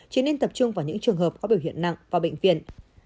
chỉ nên tập trung vào những trường hợp có biểu hiện nặng vào bệnh viện